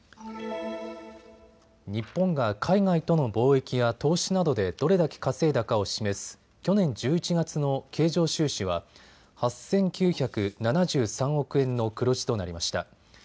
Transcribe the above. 日本が海外との貿易や投資などでどれだけ稼いだかを示す去年１１月の経常収支は８９７３億円の黒字となりました。